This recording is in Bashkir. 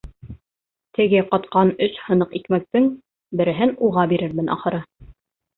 Теге ҡатҡан өс һыныҡ икмәктең береһен уға бирермен, ахыры.